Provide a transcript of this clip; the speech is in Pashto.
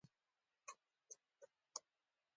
چې کور کې مې ناست نه وای کنه.